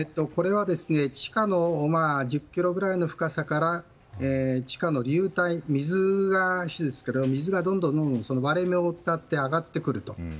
地下の１０ｋｍぐらいの深さから地下の流体、水が主ですけれども水が、どんどん割れ目を伝って上がってくると。